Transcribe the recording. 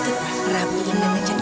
berhati hati nggak mencet